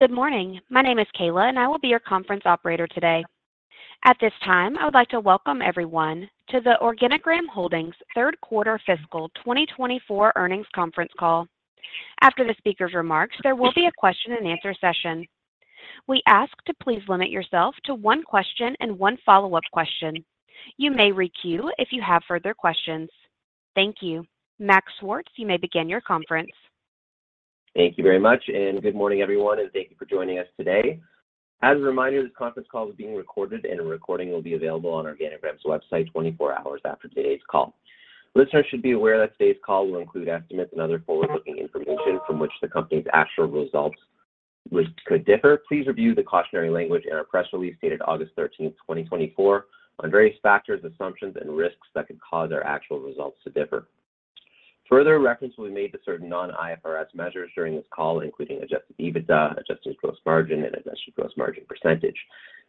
Good morning. My name is Kayla, and I will be your conference operator today. At this time, I would like to welcome everyone to the Organigram Holdings third quarter fiscal 2024 earnings conference call. After the speaker's remarks, there will be a question and answer session. We ask you to please limit yourself to one question and one follow-up question. You may requeue if you have further questions. Thank you. Max Schwartz, you may begin the conference. Thank you very much, and good morning, everyone, and thank you for joining us today. As a reminder, this conference call is being recorded and a recording will be available on Organigram's website 24 hours after today's call. Listeners should be aware that today's call will include estimates and other forward-looking information from which the company's actual results, which could differ. Please review the cautionary language in our press release, dated August 13, 2024, on various factors, assumptions, and risks that could cause our actual results to differ. Further reference will be made to certain non-IFRS measures during this call, including adjusted EBITDA, adjusted gross margin, and adjusted gross margin percentage.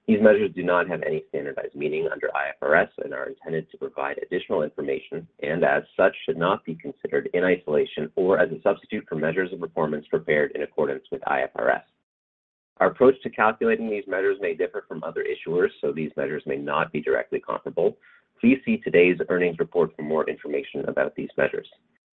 These measures do not have any standardized meaning under IFRS and are intended to provide additional information, and as such, should not be considered in isolation or as a substitute for measures of performance prepared in accordance with IFRS. Our approach to calculating these measures may differ from other issuers, so these measures may not be directly comparable. Please see today's earnings report for more information about these measures.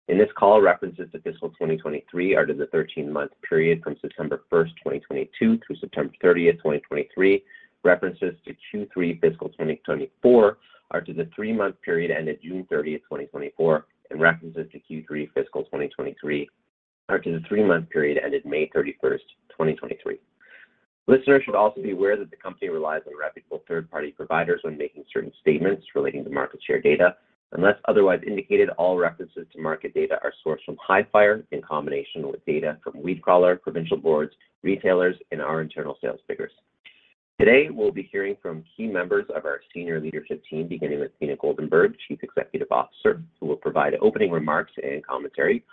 In this call, references to fiscal 2023 are to the 13-month period from September 1, 2022, through September 30, 2023. References to Q3 fiscal 2024 are to the 3-month period ended June 30, 2024, and references to Q3 fiscal 2023 are to the 3-month period ended May 31, 2023. Listeners should also be aware that the company relies on reputable third-party providers when making certain statements relating to market share data. Unless otherwise indicated, all references to market data are sourced from Hifyre in combination with data from WeedCrawler, provincial boards, retailers, and our internal sales figures. Today, we'll be hearing from key members of our senior leadership team, beginning with Beena Goldenberg, Chief Executive Officer, who will provide opening remarks and commentary,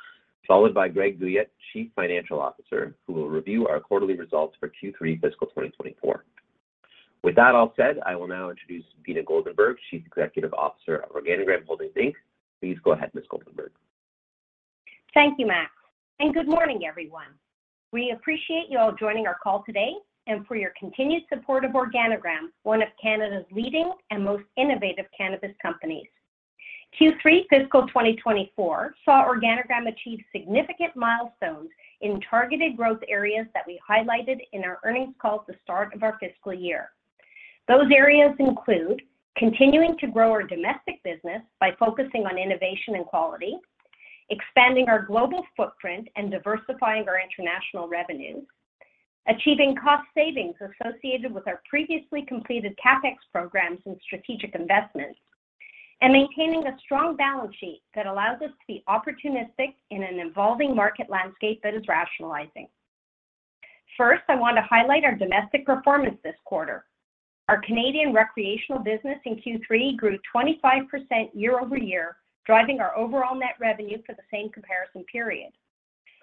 followed by Greg Guyatt, Chief Financial Officer, who will review our quarterly results for Q3 fiscal 2024. With that all said, I will now introduce Beena Goldenberg, Chief Executive Officer of Organigram Holdings Inc. Please go ahead, Ms. Goldenberg. Thank you, Max, and good morning, everyone. We appreciate you all joining our call today and for your continued support of Organigram, one of Canada's leading and most innovative cannabis companies. Q3 fiscal 2024 saw Organigram achieve significant milestones in targeted growth areas that we highlighted in our earnings call at the start of our fiscal year. Those areas include continuing to grow our domestic business by focusing on innovation and quality, expanding our global footprint and diversifying our international revenues, achieving cost savings associated with our previously completed CapEx programs and strategic investments, and maintaining a strong balance sheet that allows us to be opportunistic in an evolving market landscape that is rationalizing. First, I want to highlight our domestic performance this quarter. Our Canadian recreational business in Q3 grew 25% year-over-year, driving our overall net revenue for the same comparison period.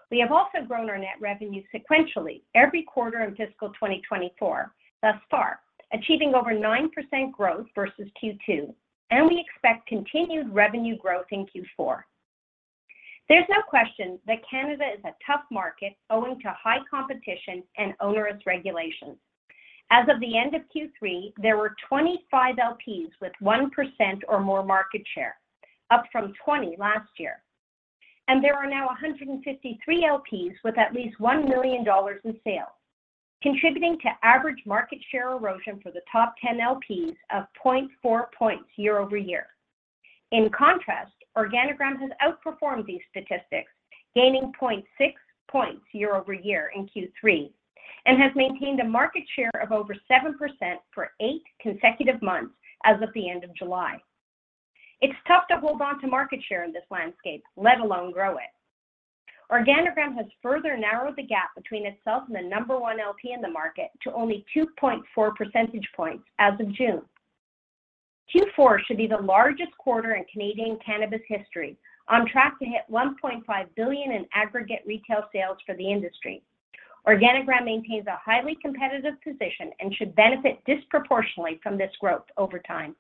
We have also grown our net revenue sequentially every quarter in fiscal 2024, thus far, achieving over 9% growth versus Q2, and we expect continued revenue growth in Q4. There's no question that Canada is a tough market owing to high competition and onerous regulations. As of the end of Q3, there were 25 LPs with 1% or more market share, up from 20 last year. There are now 153 LPs with at least 1 million dollars in sales, contributing to average market share erosion for the top 10 LPs of 0.4 points year-over-year. In contrast, Organigram has outperformed these statistics, gaining 0.6 points year-over-year in Q3, and has maintained a market share of over 7% for eight consecutive months as of the end of July. It's tough to hold on to market share in this landscape, let alone grow it. Organigram has further narrowed the gap between itself and the number one LP in the market to only 2.4 percentage points as of June. Q4 should be the largest quarter in Canadian cannabis history, on track to hit 1.5 billion in aggregate retail sales for the industry. Organigram maintains a highly competitive position and should benefit disproportionately from this growth over time.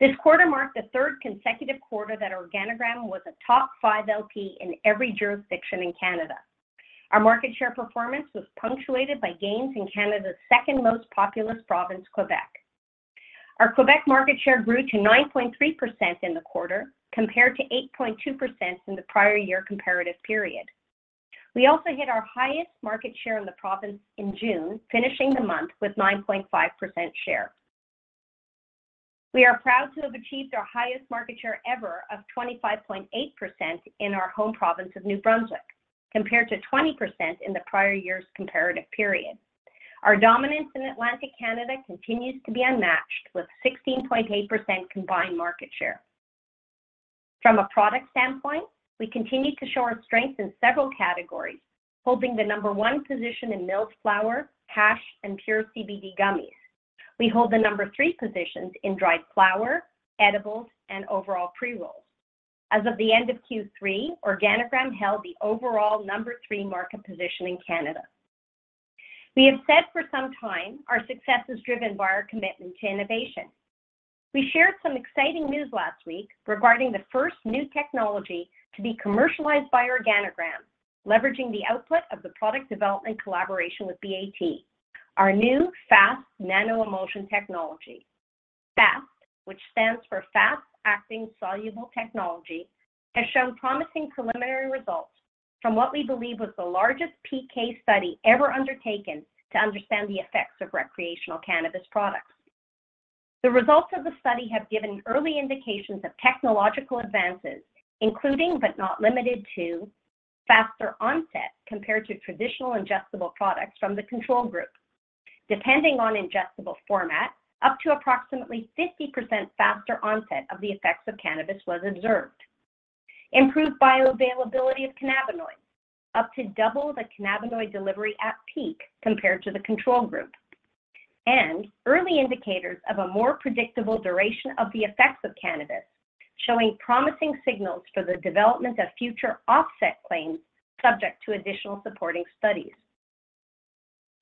This quarter marked the third consecutive quarter that Organigram was a top five LP in every jurisdiction in Canada. Our market share performance was punctuated by gains in Canada's second most populous province, Quebec. Our Quebec market share grew to 9.3% in the quarter, compared to 8.2% in the prior year comparative period. We also hit our highest market share in the province in June, finishing the month with 9.5% share. We are proud to have achieved our highest market share ever of 25.8% in our home province of New Brunswick, compared to 20% in the prior year's comparative period. Our dominance in Atlantic Canada continues to be unmatched, with 16.8% combined market share. From a product standpoint, we continue to show our strength in several categories, holding the number one position in milled flower, hash, and pure CBD gummies. We hold the number three positions in dried flower, edibles, and overall pre-rolls. As of the end of Q3, Organigram held the overall number three market position in Canada.... We have said for some time, our success is driven by our commitment to innovation. We shared some exciting news last week regarding the first new technology to be commercialized by Organigram, leveraging the output of the product development collaboration with BAT. Our new fast nano-emulsion technology, FAST, which stands for Fast-Acting Soluble Technology, has shown promising preliminary results from what we believe was the largest PK study ever undertaken to understand the effects of recreational cannabis products. The results of the study have given early indications of technological advances, including, but not limited to, faster onset compared to traditional ingestible products from the control group. Depending on ingestible format, up to approximately 50% faster onset of the effects of cannabis was observed. Improved bioavailability of cannabinoids, up to double the cannabinoid delivery at peak compared to the control group. Early indicators of a more predictable duration of the effects of cannabis, showing promising signals for the development of future offset claims, subject to additional supporting studies.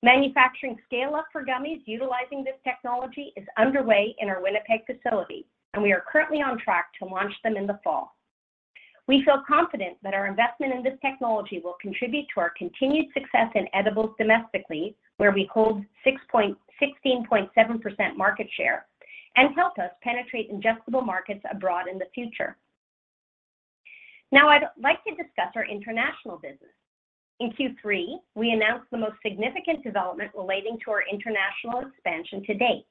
Manufacturing scale-up for gummies utilizing this technology is underway in our Winnipeg facility, and we are currently on track to launch them in the fall. We feel confident that our investment in this technology will contribute to our continued success in edibles domestically, where we hold 16.7% market share, and help us penetrate ingestible markets abroad in the future. Now, I'd like to discuss our international business. In Q3, we announced the most significant development relating to our international expansion to date,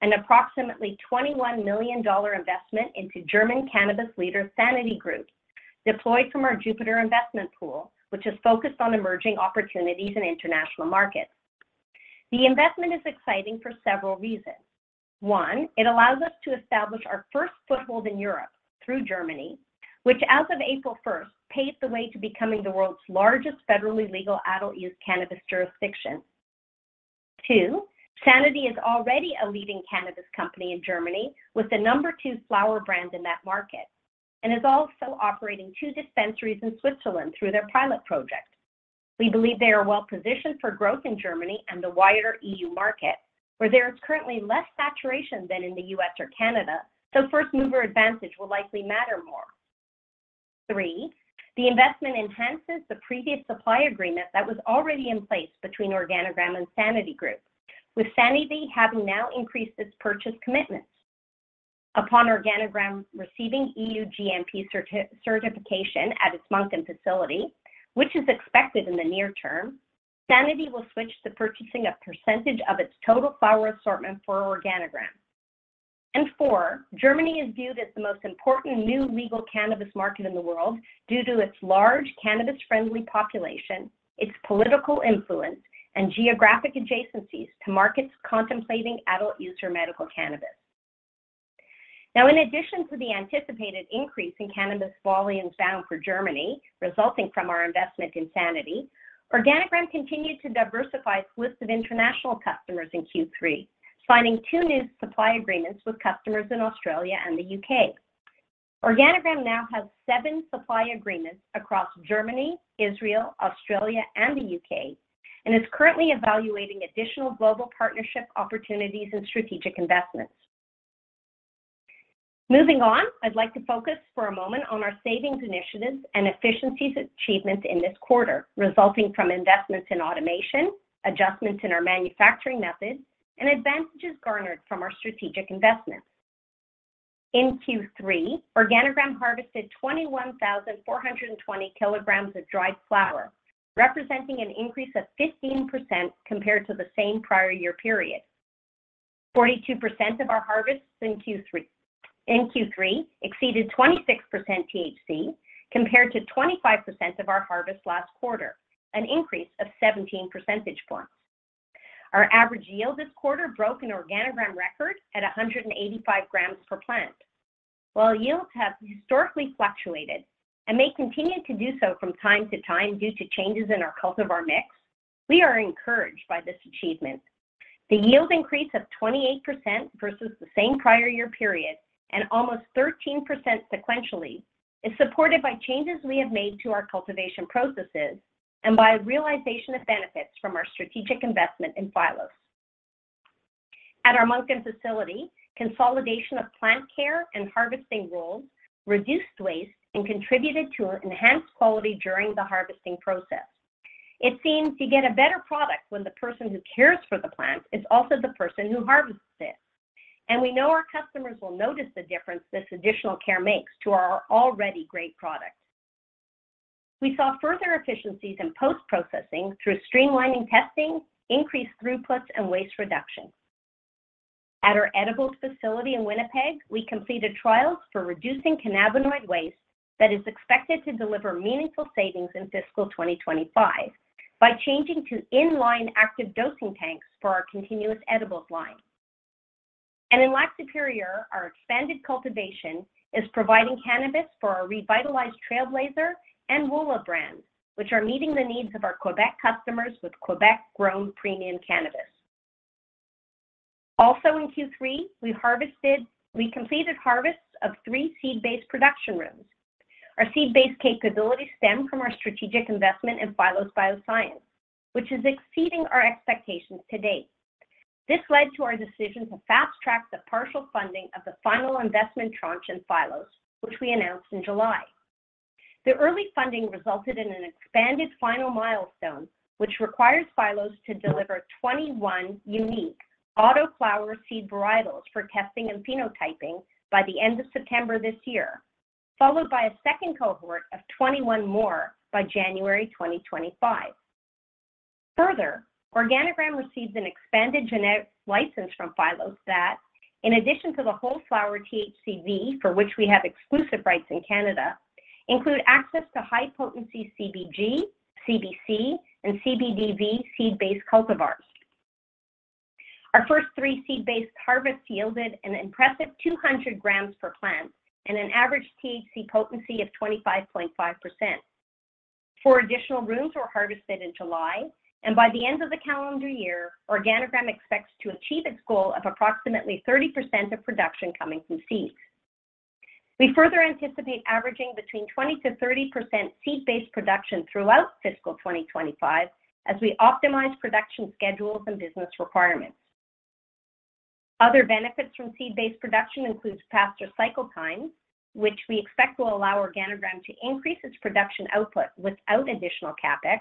an approximately 21 million dollar investment into German cannabis leader, Sanity Group, deployed from our Jupiter investment pool, which is focused on emerging opportunities in international markets. The investment is exciting for several reasons. One, it allows us to establish our first foothold in Europe through Germany, which as of April first, paved the way to becoming the world's largest federally legal adult-use cannabis jurisdiction. Two, Sanity is already a leading cannabis company in Germany, with the number two flower brand in that market, and is also operating two dispensaries in Switzerland through their pilot project. We believe they are well-positioned for growth in Germany and the wider E.U. market, where there is currently less saturation than in the U.S. or Canada, so first-mover advantage will likely matter more. Three, the investment enhances the previous supply agreement that was already in place between Organigram and Sanity Group, with Sanity having now increased its purchase commitment. Upon Organigram receiving EU GMP certification at its Moncton facility, which is expected in the near term, Sanity will switch to purchasing a percentage of its total flower assortment for Organigram. And four, Germany is viewed as the most important new legal cannabis market in the world due to its large cannabis-friendly population, its political influence, and geographic adjacencies to markets contemplating adult use or medical cannabis. Now, in addition to the anticipated increase in cannabis volume bound for Germany, resulting from our investment in Sanity, Organigram continued to diversify its list of international customers in Q3, signing 2 new supply agreements with customers in Australia and the U.K. Organigram now has 7 supply agreements across Germany, Israel, Australia, and the U.K., and is currently evaluating additional global partnership opportunities and strategic investments. Moving on, I'd like to focus for a moment on our savings initiatives and efficiencies achievements in this quarter, resulting from investments in automation, adjustments in our manufacturing methods, and advantages garnered from our strategic investments. In Q3, Organigram harvested 21,400 kilograms of dried flower, representing an increase of 15% compared to the same prior year period. 42% of our harvests in Q3 exceeded 26% THC, compared to 25% of our harvest last quarter, an increase of 17 percentage points. Our average yield this quarter broke an Organigram record at 185 grams per plant. While yields have historically fluctuated, and may continue to do so from time to time due to changes in our cultivar mix, we are encouraged by this achievement. The yield increase of 28% versus the same prior year period and almost 13% sequentially, is supported by changes we have made to our cultivation processes and by realization of benefits from our strategic investment in Phylos. At our Moncton facility, consolidation of plant care and harvesting roles reduced waste and contributed to an enhanced quality during the harvesting process. It seems to get a better product when the person who cares for the plant is also the person who harvests it, and we know our customers will notice the difference this additional care makes to our already great product. We saw further efficiencies in post-processing through streamlining testing, increased throughputs, and waste reduction. At our edibles facility in Winnipeg, we completed trials for reducing cannabinoid waste that is expected to deliver meaningful savings in fiscal 2025 by changing to in-line active dosing tanks for our continuous edibles line. In Lac-Supérieur, our expanded cultivation is providing cannabis for our revitalized Trailblazer and Tremblant brands, which are meeting the needs of our Quebec customers with Quebec-grown premium cannabis. Also in Q3, we harvested, we completed harvests of three seed-based production rooms. Our seed-based capabilities stem from our strategic investment in Phylos Bioscience, which is exceeding our expectations to date. This led to our decision to fast-track the partial funding of the final investment tranche in Phylos, which we announced in July. The early funding resulted in an expanded final milestone, which requires Phylos to deliver 21 unique autoflower seed varietals for testing and phenotyping by the end of September this year, followed by a second cohort of 21 more by January 2025. Further, Organigram receives an expanded genetic license from Phylos that, in addition to the whole flower THCV, for which we have exclusive rights in Canada, include access to high-potency CBG, CBC, and CBDV seed-based cultivars. Our first three seed-based harvests yielded an impressive 200 grams per plant and an average THC potency of 25.5%. Four additional rooms were harvested in July, and by the end of the calendar year, Organigram expects to achieve its goal of approximately 30% of production coming from seeds. We further anticipate averaging between 20%-30% seed-based production throughout fiscal 2025 as we optimize production schedules and business requirements. Other benefits from seed-based production includes faster cycle times, which we expect will allow Organigram to increase its production output without additional CapEx,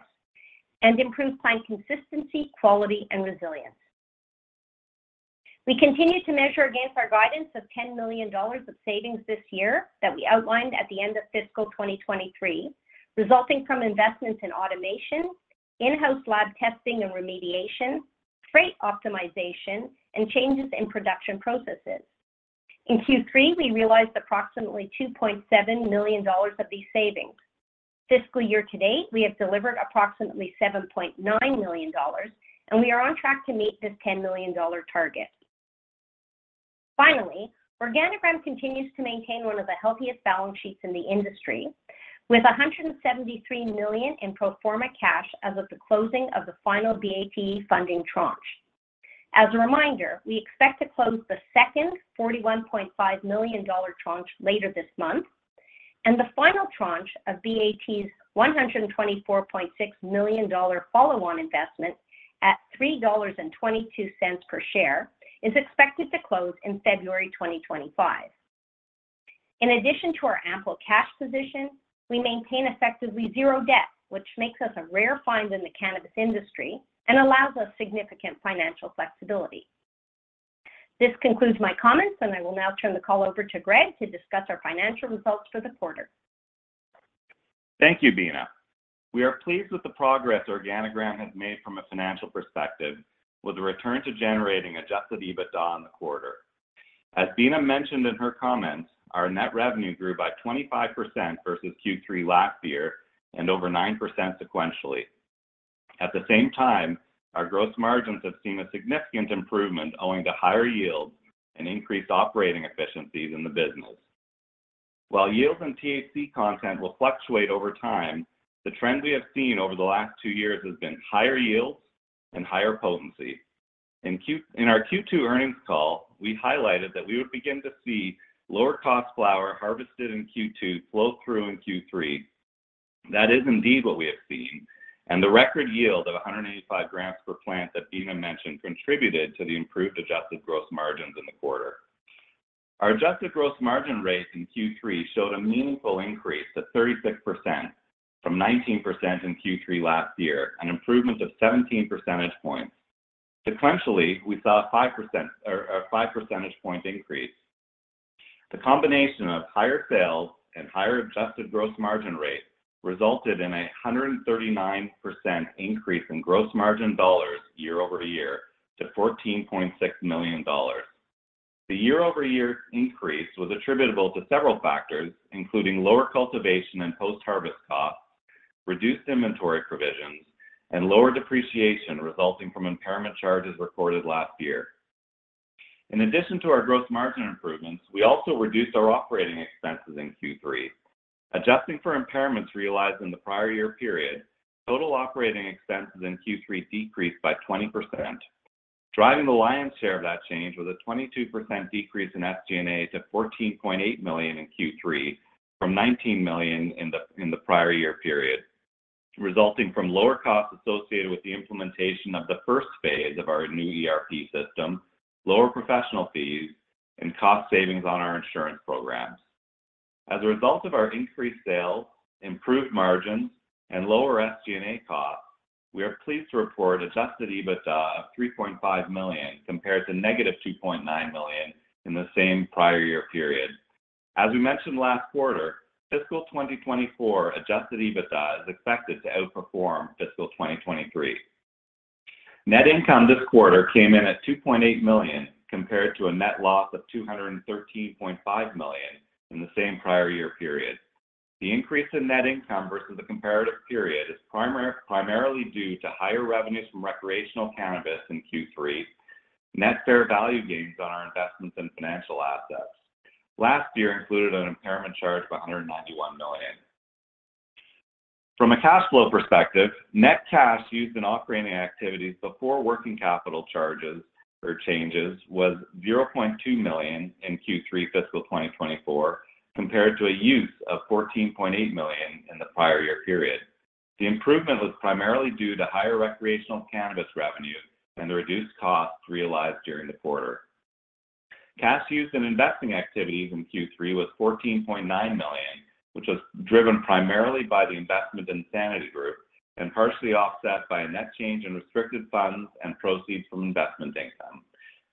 and improve plant consistency, quality, and resilience. We continue to measure against our guidance of 10 million dollars of savings this year that we outlined at the end of fiscal 2023, resulting from investments in automation, in-house lab testing and remediation, freight optimization, and changes in production processes. In Q3, we realized approximately 2.7 million dollars of these savings. Fiscal year to date, we have delivered approximately 7.9 million dollars, and we are on track to meet this 10 million dollar target. Finally, Organigram continues to maintain one of the healthiest balance sheets in the industry, with 173 million in pro forma cash as of the closing of the final BAT funding tranche. As a reminder, we expect to close the second 41.5 million dollar tranche later this month, and the final tranche of BAT's 124.6 million dollar follow-on investment at 3.22 dollars per share, is expected to close in February 2025. In addition to our ample cash position, we maintain effectively zero debt, which makes us a rare find in the cannabis industry and allows us significant financial flexibility. This concludes my comments, and I will now turn the call over to Greg to discuss our financial results for the quarter. Thank you, Beena. We are pleased with the progress Organigram has made from a financial perspective, with a return to generating Adjusted EBITDA in the quarter. As Beena mentioned in her comments, our net revenue grew by 25% versus Q3 last year and over 9% sequentially. At the same time, our gross margins have seen a significant improvement owing to higher yields and increased operating efficiencies in the business. While yields and THC content will fluctuate over time, the trend we have seen over the last two years has been higher yields and higher potency. In our Q2 earnings call, we highlighted that we would begin to see lower-cost flower harvested in Q2 flow through in Q3. That is indeed what we have seen, and the record yield of 185 grams per plant that Beena mentioned contributed to the improved Adjusted Gross Margin in the quarter. Our Adjusted Gross Margin rates in Q3 showed a meaningful increase to 36% from 19% in Q3 last year, an improvement of 17 percentage points. Sequentially, we saw a 5%, or a 5 percentage point increase. The combination of higher sales and higher Adjusted Gross Margin rates resulted in a 139% increase in gross margin dollars year-over-year to 14.6 million dollars. The year-over-year increase was attributable to several factors, including lower cultivation and post-harvest costs, reduced inventory provisions, and lower depreciation resulting from impairment charges recorded last year. In addition to our gross margin improvements, we also reduced our operating expenses in Q3. Adjusting for impairments realized in the prior year period, total operating expenses in Q3 decreased by 20%. Driving the lion's share of that change was a 22% decrease in SG&A to 14.8 million in Q3 from 19 million in the prior year period, resulting from lower costs associated with the implementation of the first phase of our new ERP system, lower professional fees, and cost savings on our insurance programs. As a result of our increased sales, improved margins, and lower SG&A costs, we are pleased to report adjusted EBITDA of 3.5 million, compared to -2.9 million in the same prior year period. As we mentioned last quarter, fiscal 2024 adjusted EBITDA is expected to outperform fiscal 2023. Net income this quarter came in at 2.8 million, compared to a net loss of 213.5 million in the same prior year period. The increase in net income versus the comparative period is primarily due to higher revenues from recreational cannabis in Q3. Net fair value gains on our investments in financial assets last year included an impairment charge of 191 million. From a cash flow perspective, net cash used in operating activities before working capital charges or changes was 0.2 million in Q3 fiscal 2024, compared to a use of 14.8 million in the prior year period. The improvement was primarily due to higher recreational cannabis revenue and the reduced costs realized during the quarter. Cash used in investing activities in Q3 was 14.9 million, which was driven primarily by the investment in Sanity Group and partially offset by a net change in restricted funds and proceeds from investment income.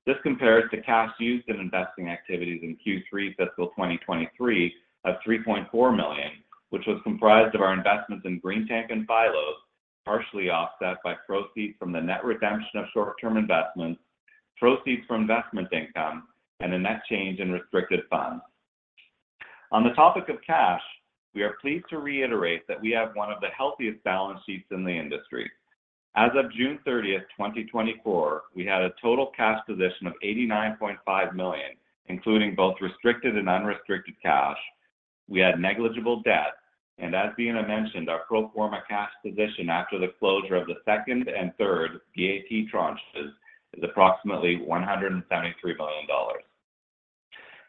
This compares to cash used in investing activities in Q3 fiscal 2023 of 3.4 million, which was comprised of our investments in Greentank and Phylos, partially offset by proceeds from the net redemption of short-term investments, proceeds from investment income, and a net change in restricted funds. On the topic of cash, we are pleased to reiterate that we have one of the healthiest balance sheets in the industry. As of June 30, 2024, we had a total cash position of 89.5 million, including both restricted and unrestricted cash. We had negligible debt, and as Beena mentioned, our pro forma cash position after the closure of the second and third BAT tranches is approximately 173 million dollars.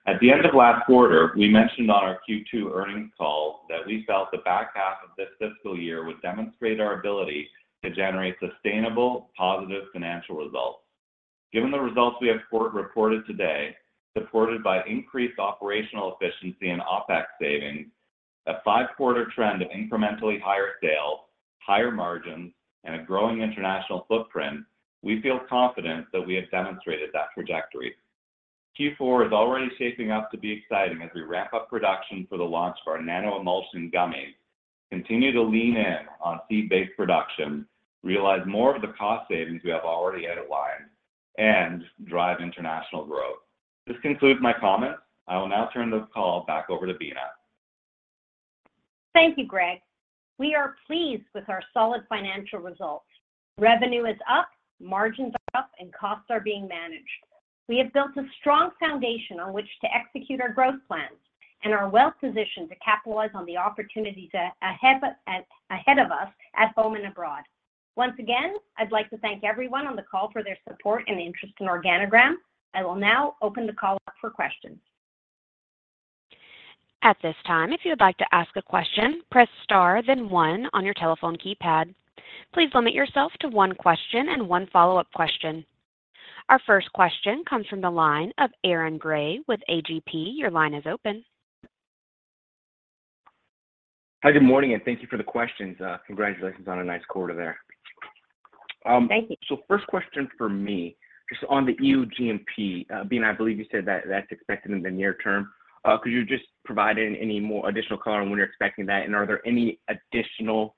At the end of last quarter, we mentioned on our Q2 earnings call that we felt the back half of this fiscal year would demonstrate our ability to generate sustainable, positive financial results. Given the results we have reported today, supported by increased operational efficiency and OpEx savings, a five-quarter trend of incrementally higher sales, higher margins, and a growing international footprint, we feel confident that we have demonstrated that trajectory. Q4 is already shaping up to be exciting as we wrap up production for the launch of our nano-emulsion gummies, continue to lean in on seed-based production, realize more of the cost savings we have already had aligned, and drive international growth. This concludes my comments. I will now turn the call back over to Beena. Thank you, Greg. We are pleased with our solid financial results. Revenue is up, margins are up, and costs are being managed. We have built a strong foundation on which to execute our growth plans and are well positioned to capitalize on the opportunities ahead of us at home and abroad. Once again, I'd like to thank everyone on the call for their support and interest in Organigram. I will now open the call up for questions. At this time, if you would like to ask a question, press Star, then One on your telephone keypad. Please limit yourself to one question and one follow-up question. Our first question comes from the line of Aaron Grey with A.G.P. Your line is open. Hi, good morning, and thank you for the questions. Congratulations on a nice quarter there. Thank you. So first question for me, just on the EU GMP, Beena, I believe you said that that's expected in the near term. Could you just provide any more additional color on when you're expecting that? And are there any additional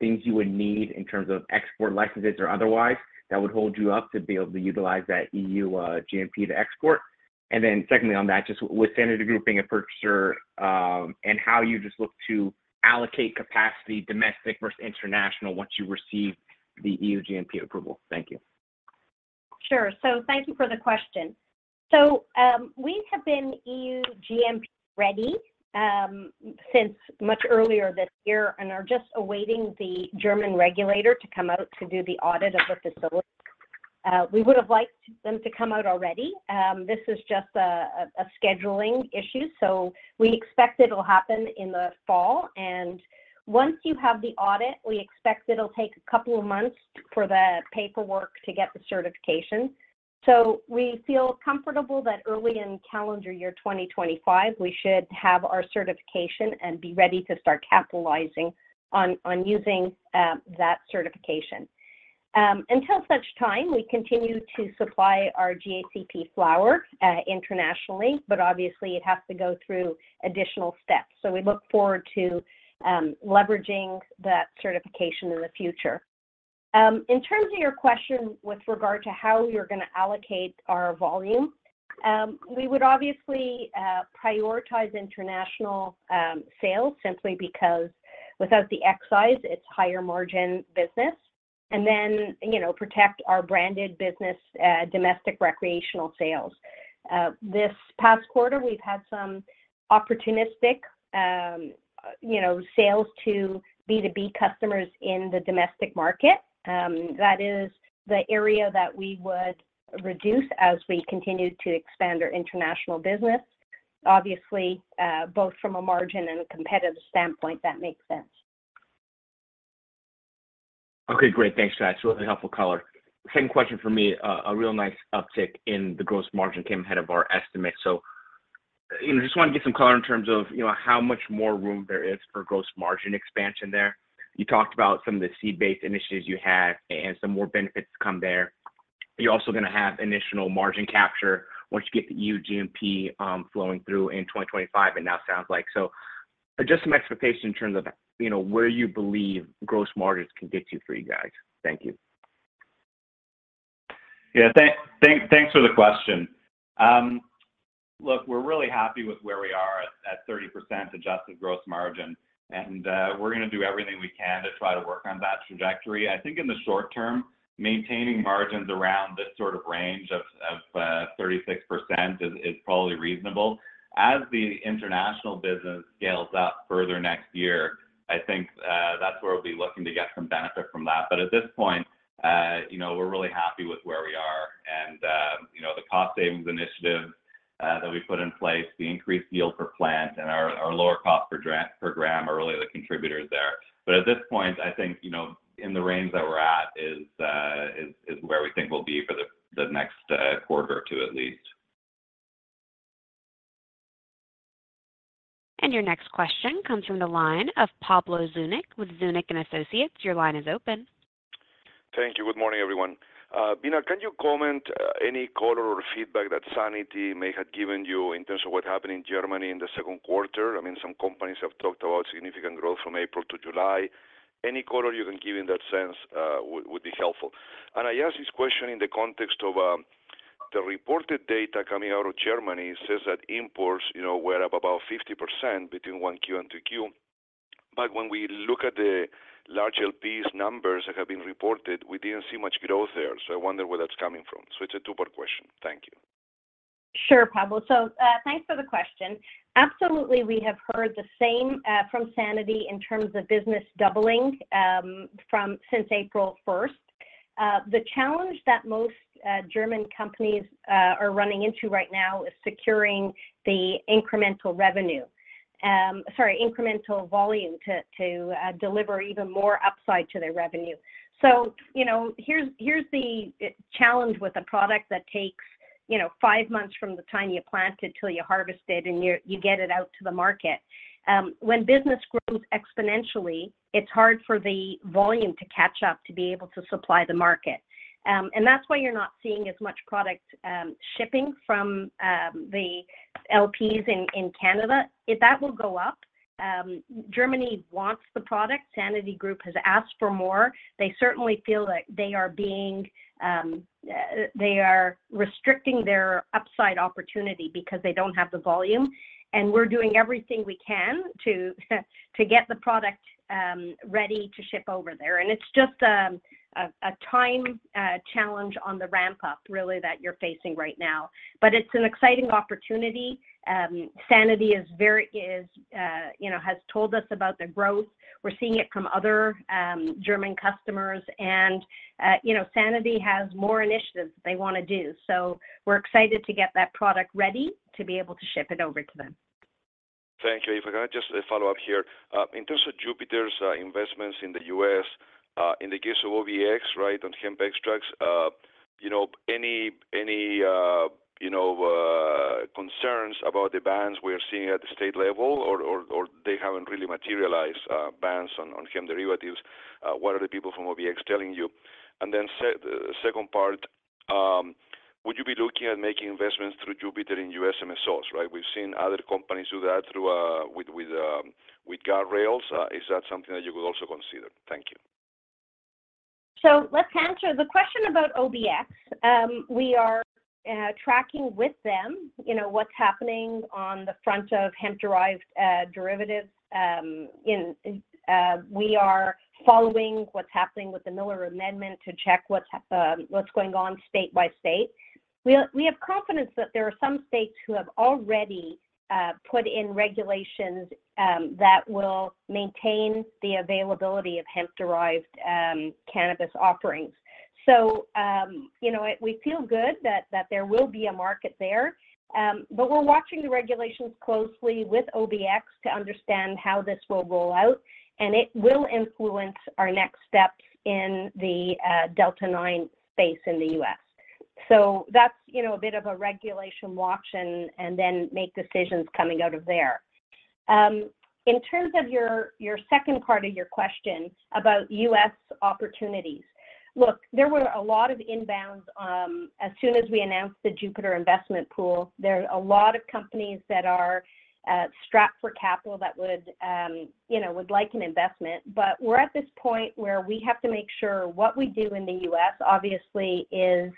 things you would need in terms of export licenses or otherwise, that would hold you up to be able to utilize that EU GMP to export? And then secondly, on that, just with Sanity Group and purchaser, and how you just look to allocate capacity, domestic versus international, once you receive the EU GMP approval. Thank you. Sure. So thank you for the question. So, we have been EU GMP ready, since much earlier this year and are just awaiting the German regulator to come out to do the audit of the facility. We would have liked them to come out already. This is just a scheduling issue, so we expect it'll happen in the fall, and once you have the audit, we expect it'll take a couple of months for the paperwork to get the certification. So we feel comfortable that early in calendar year 2025, we should have our certification and be ready to start capitalizing on using that certification. Until such time, we continue to supply our GACP flower, internationally, but obviously, it has to go through additional steps, so we look forward to leveraging that certification in the future. In terms of your question with regard to how you're gonna allocate our volume, we would obviously prioritize international sales simply because without the excise, it's higher margin business, and then, you know, protect our branded business, domestic recreational sales. This past quarter, we've had some opportunistic, you know, sales to B2B customers in the domestic market. That is the area that we would reduce as we continue to expand our international business. Obviously, both from a margin and a competitive standpoint, that makes sense. Okay, great. Thanks for that. Absolutely helpful color. Second question for me, a real nice uptick in the gross margin came ahead of our estimate. So, you know, just want to get some color in terms of, you know, how much more room there is for gross margin expansion there. You talked about some of the seed-based initiatives you had and some more benefits to come there. You're also gonna have additional margin capture once you get the EU GMP, flowing through in 2025, it now sounds like. So just some expectation in terms of, you know, where you believe gross margins can get you for you guys. Thank you.... Yeah, thanks for the question. Look, we're really happy with where we are at 30% adjusted gross margin, and we're gonna do everything we can to try to work on that trajectory. I think in the short term, maintaining margins around this sort of range of 36% is probably reasonable. As the international business scales up further next year, I think that's where we'll be looking to get some benefit from that. But at this point, you know, we're really happy with where we are, and you know, the cost savings initiatives that we put in place, the increased yield per plant, and our lower cost per gram are really the contributors there. But at this point, I think, you know, in the range that we're at is where we think we'll be for the next quarter or two, at least. Your next question comes from the line of Pablo Zuanic with Zuanic & Associates. Your line is open. Thank you. Good morning, everyone. Beena, can you comment any color or feedback that Sanity may have given you in terms of what happened in Germany in the second quarter? I mean, some companies have talked about significant growth from April to July. Any color you can give in that sense would be helpful. And I ask this question in the context of the reported data coming out of Germany that says imports were up about 50% between one Q and two Q. But when we look at the large LPs numbers that have been reported, we didn't see much growth there. So I wonder where that's coming from. So it's a two-part question. Thank you. Sure, Pablo. So, thanks for the question. Absolutely, we have heard the same from Sanity in terms of business doubling from since April first. The challenge that most German companies are running into right now is securing the incremental revenue. Sorry, incremental volume to deliver even more upside to their revenue. So, you know, here's the challenge with a product that takes, you know, five months from the time you plant it till you harvest it, and you get it out to the market. When business grows exponentially, it's hard for the volume to catch up, to be able to supply the market. And that's why you're not seeing as much product shipping from the LPs in Canada. That will go up. Germany wants the product. Sanity Group has asked for more. They certainly feel like they are being, they are restricting their upside opportunity because they don't have the volume, and we're doing everything we can to get the product ready to ship over there. And it's just a time challenge on the ramp-up, really, that you're facing right now. But it's an exciting opportunity. Sanity is very, is, you know, has told us about the growth. We're seeing it from other German customers, and, you know, Sanity has more initiatives that they wanna do. So we're excited to get that product ready to be able to ship it over to them. Thank you. If I can just follow up here. In terms of Jupiter's investments in the U.S., in the case of OBX, right, on hemp extracts, you know, any concerns about the bans we're seeing at the state level, or they haven't really materialized, bans on hemp derivatives? What are the people from OBX telling you? And then second part, would you be looking at making investments through Jupiter in U.S. MSOs, right? We've seen other companies do that through with guardrails. Is that something that you would also consider? Thank you. So let's answer the question about OBX. We are tracking with them, you know, what's happening on the front of hemp-derived derivatives. And we are following what's happening with the Miller Amendment to check what's going on state by state. We have confidence that there are some states who have already put in regulations that will maintain the availability of hemp-derived cannabis offerings. So, you know, we feel good that there will be a market there. But we're watching the regulations closely with OBX to understand how this will roll out, and it will influence our next steps in the Delta-9 space in the U.S. So that's, you know, a bit of a regulation watch and then make decisions coming out of there. In terms of your second part of your question about U.S. opportunities, look, there were a lot of inbounds as soon as we announced the Jupiter investment pool. There are a lot of companies that are strapped for capital that would you know would like an investment. But we're at this point where we have to make sure what we do in the U.S. obviously is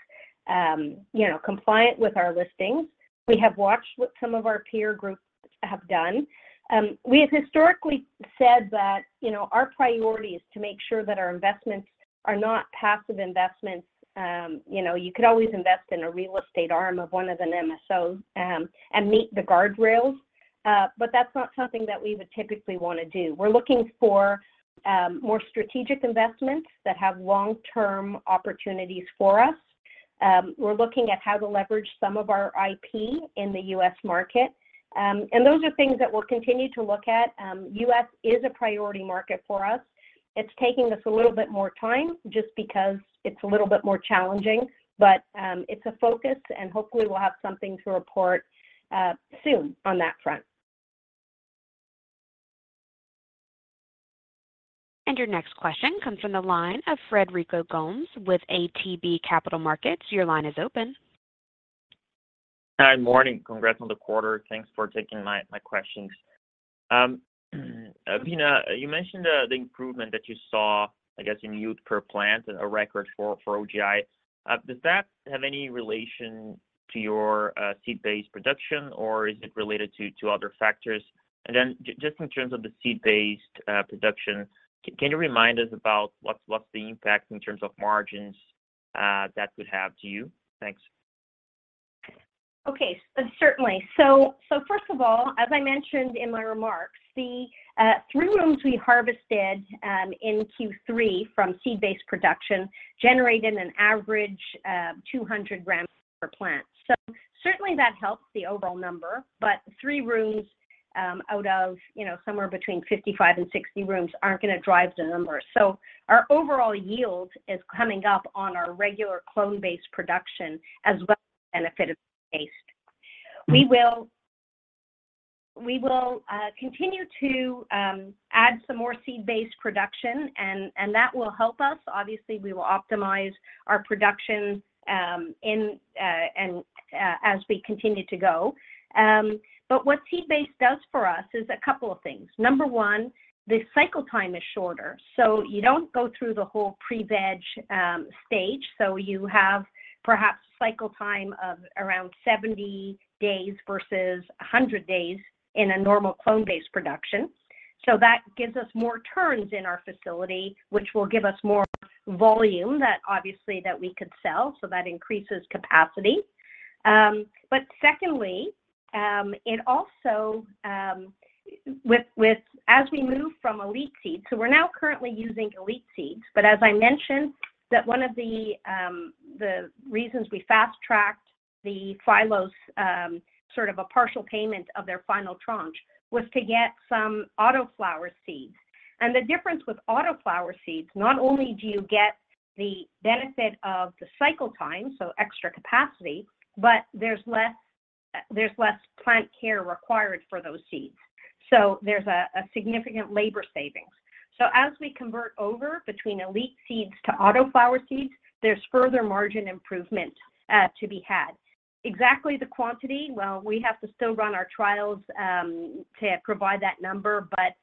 you know compliant with our listings. We have watched what some of our peer groups have done. We have historically said that you know our priority is to make sure that our investments are not passive investments. You know you could always invest in a real estate arm of one of the MSOs and meet the guardrails but that's not something that we would typically wanna do. We're looking for more strategic investments that have long-term opportunities for us. We're looking at how to leverage some of our IP in the U.S. market. And those are things that we'll continue to look at. U.S. is a priority market for us. It's taking us a little bit more time, just because it's a little bit more challenging. But it's a focus, and hopefully, we'll have something to report soon on that front. Your next question comes from the line of Frederico Gomes with ATB Capital Markets. Your line is open. Hi, morning. Congrats on the quarter. Thanks for taking my questions. Beena, you mentioned the improvement that you saw, I guess, in yield per plant, a record for OGI. Does that have any relation to your seed-based production, or is it related to other factors? And then just in terms of the seed-based production, can you remind us about what's the impact in terms of margins that could have to you? Thanks. Okay, certainly. So first of all, as I mentioned in my remarks, the three rooms we harvested in Q3 from seed-based production generated an average 200 grams per plant. So certainly that helps the overall number. But three rooms out of, you know, somewhere between 55 and 60 rooms aren't gonna drive the numbers. So our overall yield is coming up on our regular clone-based production as well, benefit of based. We will continue to add some more seed-based production, and that will help us. Obviously, we will optimize our production as we continue to go. But what seed-based does for us is a couple of things. Number one, the cycle time is shorter, so you don't go through the whole pre-veg stage. So you have perhaps cycle time of around 70 days versus 100 days in a normal clone-based production. So that gives us more turns in our facility, which will give us more volume that obviously, that we could sell, so that increases capacity. But secondly, it also with as we move from elite seeds, so we're now currently using elite seeds. But as I mentioned, that one of the reasons we fast-tracked the Phylos, sort of a partial payment of their final tranche, was to get some autoflower seeds. And the difference with autoflower seeds, not only do you get the benefit of the cycle time, so extra capacity, but there's less plant care required for those seeds, so there's a significant labor savings. So as we convert over between Elite Seeds to Autoflower seeds, there's further margin improvement to be had. Exactly the quantity, well, we have to still run our trials to provide that number, but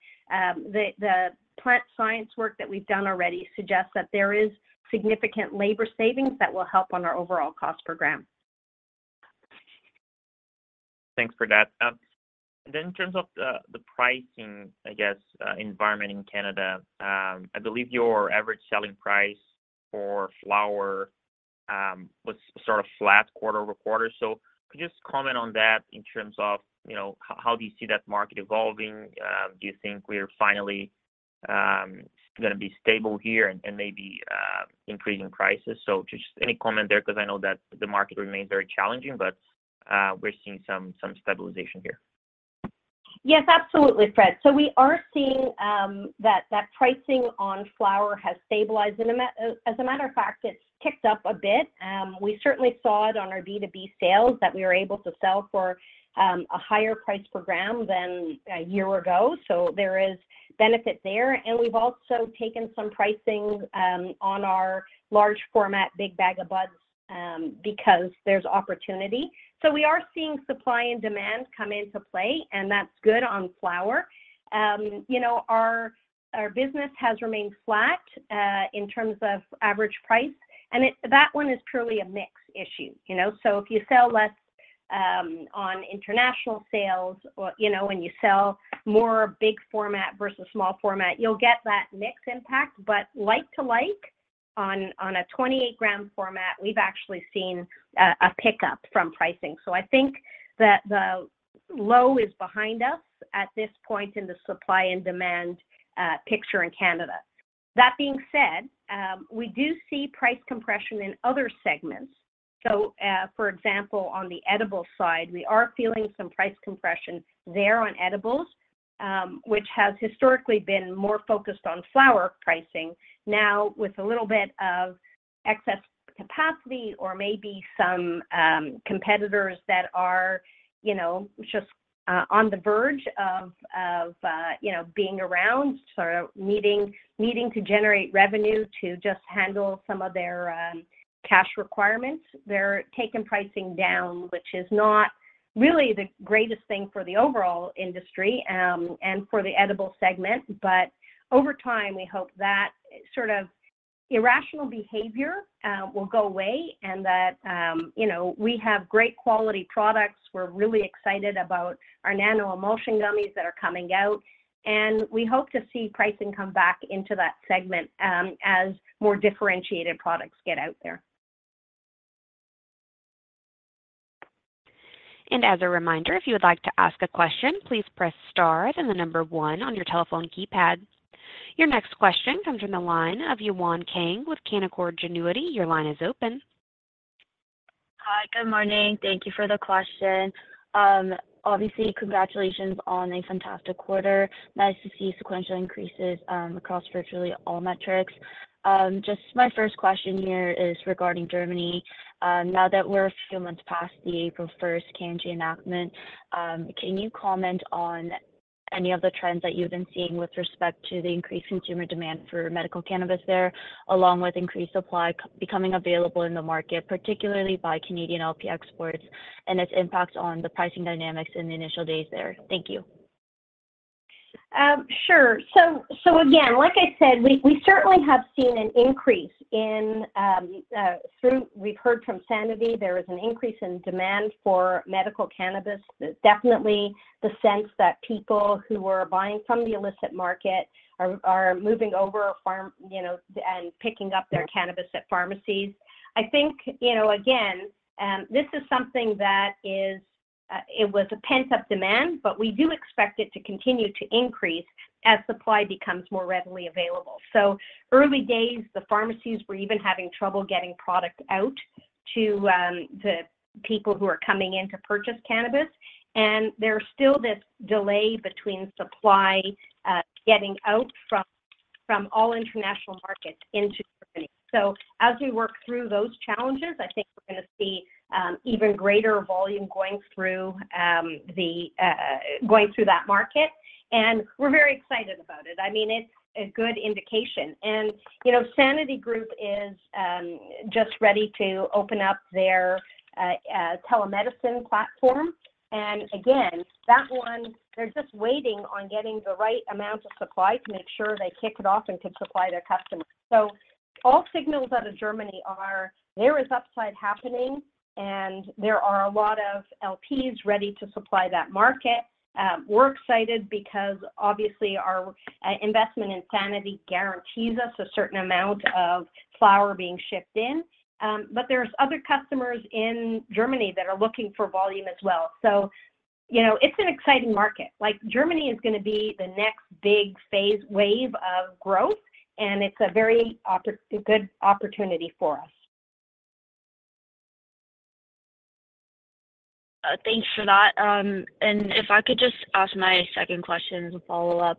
the plant science work that we've done already suggests that there is significant labor savings that will help on our overall cost per gram. Thanks for that. Then in terms of the pricing, I guess, environment in Canada, I believe your average selling price for flower was sort of flat quarter-over-quarter. So could you just comment on that in terms of, you know, how do you see that market evolving? Do you think we are finally gonna be stable here and maybe increasing prices? So just any comment there, because I know that the market remains very challenging, but we're seeing some stabilization here. Yes, absolutely, Fred. So we are seeing that pricing on flower has stabilized. And as a matter of fact, it's ticked up a bit. We certainly saw it on our B2B sales that we were able to sell for a higher price per gram than a year ago, so there is benefit there. And we've also taken some pricing on our large format, Big Bag o' Buds, because there's opportunity. So we are seeing supply and demand come into play, and that's good on flower. You know, our business has remained flat in terms of average price, and that one is purely a mix issue, you know? So if you sell less on international sales or, you know, when you sell more big format versus small format, you'll get that mix impact. But like to like, on a 28-gram format, we've actually seen a pickup from pricing. So I think that the low is behind us at this point in the supply and demand picture in Canada. That being said, we do see price compression in other segments. So, for example, on the edibles side, we are feeling some price compression there on edibles, which has historically been more focused on flower pricing. Now, with a little bit of excess capacity or maybe some competitors that are, you know, just on the verge of, you know, being around, sort of needing to generate revenue to just handle some of their cash requirements. They're taking pricing down, which is not really the greatest thing for the overall industry and for the edibles segment. But over time, we hope that sort of irrational behavior will go away and that, you know, we have great quality products. We're really excited about our nano-emulsion gummies that are coming out, and we hope to see pricing come back into that segment, as more differentiated products get out there. As a reminder, if you would like to ask a question, please press Star and the number One on your telephone keypad. Your next question comes from the line of Yewon Kang with Canaccord Genuity. Your line is open. Hi, good morning. Thank you for the question. Obviously, congratulations on a fantastic quarter. Nice to see sequential increases across virtually all metrics. Just my first question here is regarding Germany. Now that we're a few months past the April first CanG enactment, can you comment on any of the trends that you've been seeing with respect to the increased consumer demand for medical cannabis there, along with increased supply becoming available in the market, particularly by Canadian LP exports, and its impact on the pricing dynamics in the initial days there? Thank you. Sure. So, so again, like I said, we, we certainly have seen an increase in, we've heard from Sanity there is an increase in demand for medical cannabis. Definitely, the sense that people who were buying from the illicit market are, are moving over pharma, you know, and picking up their cannabis at pharmacies. I think, you know, again, this is something that is, it was a pent-up demand, but we do expect it to continue to increase as supply becomes more readily available. So early days, the pharmacies were even having trouble getting product out to, the people who are coming in to purchase cannabis, and there's still this delay between supply, getting out from, from all international markets into Germany. So as we work through those challenges, I think we're gonna see even greater volume going through that market, and we're very excited about it. I mean, it's a good indication. And, you know, Sanity Group is just ready to open up their telemedicine platform. And again, that one, they're just waiting on getting the right amount of supply to make sure they kick it off and can supply their customers. So all signals out of Germany are there is upside happening, and there are a lot of LPs ready to supply that market. We're excited because obviously our investment in Sanity guarantees us a certain amount of flower being shipped in. But there's other customers in Germany that are looking for volume as well. So, you know, it's an exciting market. Like, Germany is gonna be the next big wave of growth, and it's a very good opportunity for us. Thanks for that. And if I could just ask my second question as a follow-up.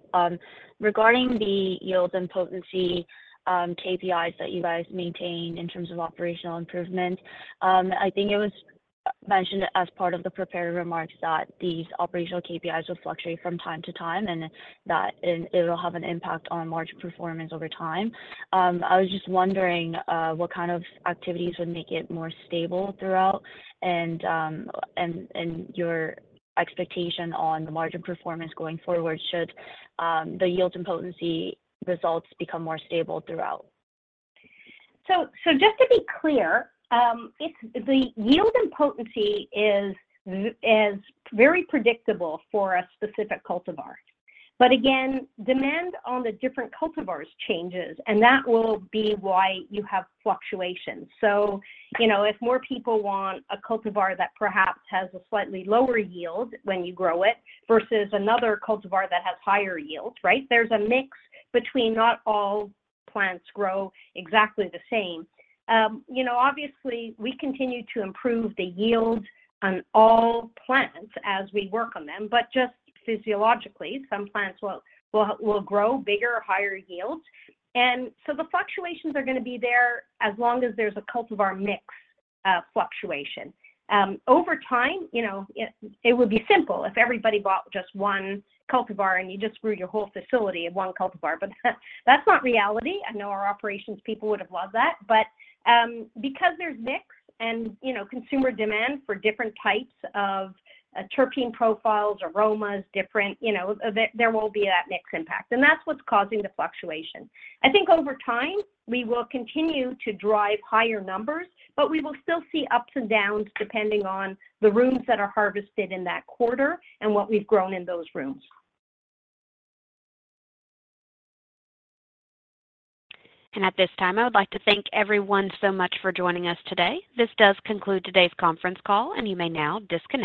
Regarding the yields and potency, KPIs that you guys maintain in terms of operational improvement, I think it was mentioned as part of the prepared remarks that these operational KPIs will fluctuate from time to time, and that it, it'll have an impact on margin performance over time. I was just wondering, what kind of activities would make it more stable throughout, and and your expectation on the margin performance going forward, should the yield and potency results become more stable throughout? So, just to be clear, it's the yield and potency is very predictable for a specific cultivar. But again, demand on the different cultivars changes, and that will be why you have fluctuations. So, you know, if more people want a cultivar that perhaps has a slightly lower yield when you grow it versus another cultivar that has higher yields, right? There's a mix between not all plants grow exactly the same. You know, obviously, we continue to improve the yields on all plants as we work on them, but just physiologically, some plants will grow bigger or higher yields. And so the fluctuations are gonna be there as long as there's a cultivar mix, fluctuation. Over time, you know, it would be simple if everybody bought just one cultivar, and you just grew your whole facility in one cultivar. But, that's not reality. I know our operations people would have loved that. But, because there's mix and, you know, consumer demand for different types of terpene profiles, aromas, different. You know, there will be that mix impact, and that's what's causing the fluctuation. I think over time, we will continue to drive higher numbers, but we will still see ups and downs, depending on the rooms that are harvested in that quarter and what we've grown in those rooms. At this time, I would like to thank everyone so much for joining us today. This does conclude today's conference call, and you may now disconnect.